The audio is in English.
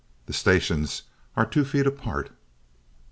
The stations are two feet apart."